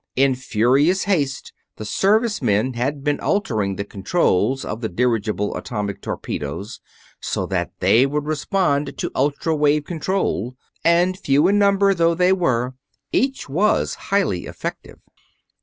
In furious haste the Service men had been altering the controls of the dirigible atomic torpedoes, so that they would respond to ultra wave control; and, few in number though they were, each was highly effective.